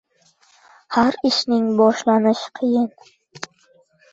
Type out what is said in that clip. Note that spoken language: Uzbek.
• Har ishning boshlanishi qiyin.